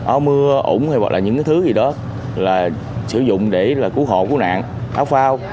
áo mưa ủng hay hoặc là những cái thứ gì đó là sử dụng để là cứu hộ cứu nạn áo phao